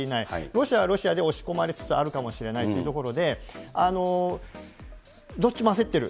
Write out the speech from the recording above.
ロシアはロシアで押し込まれつつあるかもしれないというところで、どっちも焦ってる。